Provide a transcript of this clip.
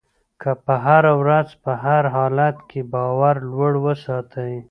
که په هره ورځ په هر حالت کې باور لوړ وساتئ.